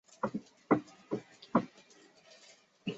店家菜单上有羊身上各个不同的部位的肉供食客选择。